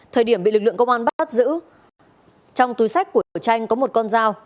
thời điểm bị lực lượng công an bắt giữ trong túi sách của tổ tranh có một con dao